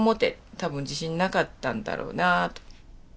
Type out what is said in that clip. たぶん自信なかったんだろうなあと。